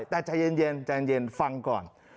แต่ใจเย็นฟังก่อน